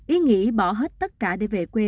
ý nghĩ bỏ hết tất cả để về quê